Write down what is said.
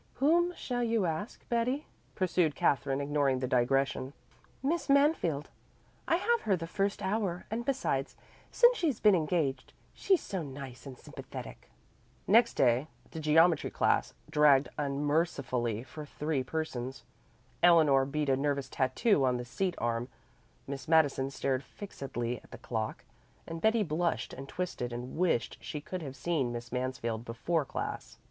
"Whom shall you ask, Betty?" pursued Katherine, ignoring the digression. "Miss Mansfield. I have her the first hour, and besides, since she's been engaged she's so nice and sympathetic." Next day the geometry class dragged unmercifully for three persons. Eleanor beat a nervous tattoo on the seat arm, Miss Madison stared fixedly at the clock, and Betty blushed and twisted and wished she could have seen Miss Mansfield before class.